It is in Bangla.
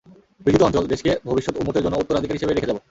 বিজিত অঞ্চল, দেশকে ভবিষ্যৎ উম্মতের জন্য উত্তরাধিকার হিসেবে রেখে যাব।